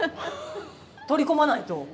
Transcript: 取り込まないと。